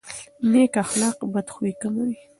نیک اخلاق بدخويي کموي.